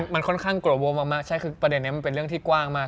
มันค่อนข้างกลัวโวมากใช่คือประเด็นนี้มันเป็นเรื่องที่กว้างมาก